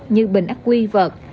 như bình ắc quy vợt